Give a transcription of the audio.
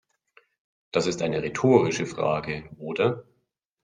Das ist eine rhetorische Frage, oder?